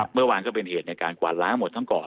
เมื่อวานก็เป็นเหตุในการกว่านล้างหมดทั้งก่อน